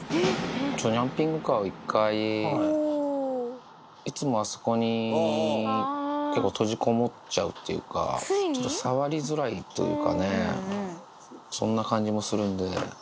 ちょっとニャンピングカーを１回、いつもあそこに結構、閉じこもっちゃうというか、ちょっと触りづらいというかね、そんな感じもするんで。